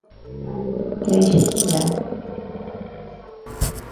Treixadura.